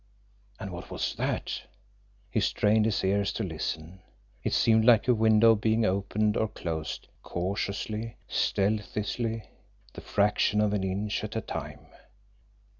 AND WHAT WAS THAT? He strained his ears to listen. It seemed like a window being opened or closed, cautiously, stealthily, the fraction of an inch at a time.